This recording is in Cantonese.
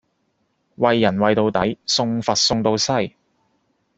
為人為到底，送佛送到西。